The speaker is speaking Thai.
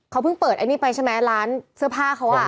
เขาเพิ่งเปิดไอ้นี่ไปใช่ไหมร้านเสื้อผ้าเขาอ่ะ